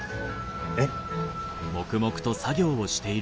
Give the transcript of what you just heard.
えっ。